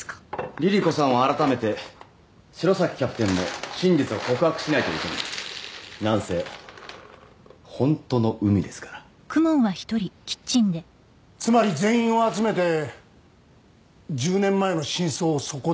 リリ子さんは改めて城崎キャプテンも真実を告白しないといけないなんせホントの海ですからつまり全員を集めて１０年前の真相をそこで？